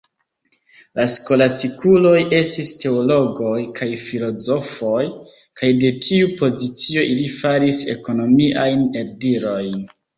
La skolastikuloj estis teologoj kaj filozofoj, kaj de tiu pozicio ili faris ekonomiajn eldirojn.